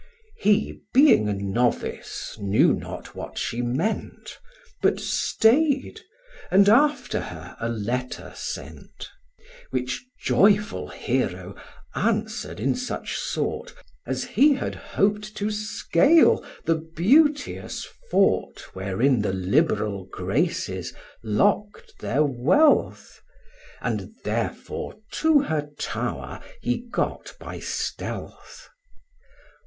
He, being a novice, knew not what she meant, But stay'd, and after her a letter sent; Which joyful Hero answer'd in such sort, As he had hoped to scale the beauteous fort Wherein the liberal Graces lock'd their wealth; And therefore to her tower he got by stealth.